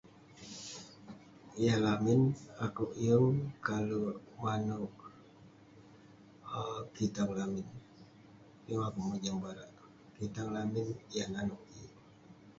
Yah lamin, akouk yeng kalek manouk um kitang lamin. Yeng akouk mojam barak kitang lamin yah nanouk kik.